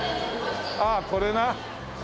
ああこれなあ。